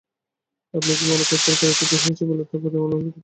আপনি কি মনে করেন উত্তর কোরিয়া থেকে এসেছি বলে তার প্রতি আমার আনুগত্য আছে?